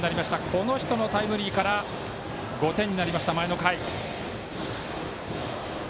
この人のタイムリーから５点になりました、前の回。